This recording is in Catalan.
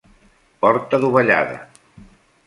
Porta dovellada.